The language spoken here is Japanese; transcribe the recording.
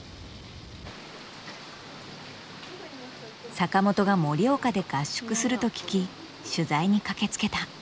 坂本が盛岡で合宿すると聞き取材に駆けつけた。